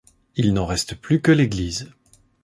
Il n'en reste plus que l'église.